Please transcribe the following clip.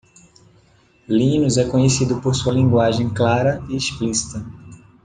Linus é conhecido por sua linguagem clara e explícita.